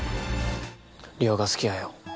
梨央が好きやよ